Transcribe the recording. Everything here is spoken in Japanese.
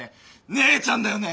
姉ちゃんだよね。